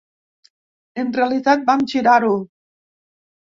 En realitat, vam girar-ho.